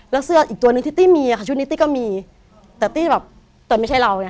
แล้วเสื้ออีกตัวนึงที่ตี้มีอะค่ะชุดนิตตี้ก็มีแต่ตี้แบบแต่ไม่ใช่เราไง